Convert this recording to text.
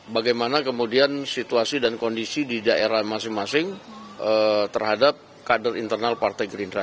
bagaimana kemudian situasi dan kondisi di daerah masing masing terhadap kader internal partai gerindra